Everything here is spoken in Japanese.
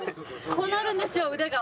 こうなるんですよ腕が。